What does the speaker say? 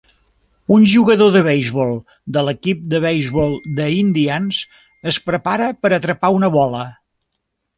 Un jugador de beisbol de l'equip de beisbol The Indians es prepara per atrapar una bola